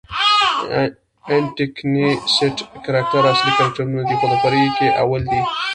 انټکنیسټ کرکټراصلي کرکټرنه دئ، خو د فرعي کښي اول دئ.